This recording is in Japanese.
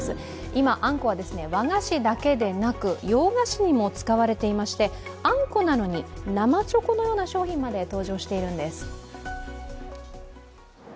今、あんこは和菓子だけでなく洋菓子にも使われていまして、あんこなのに生チョコのような商品まで登場しているんです。